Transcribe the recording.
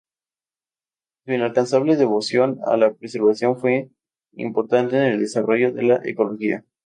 Su incansable devoción a la preservación fue importante en el desarrollo de la ecología.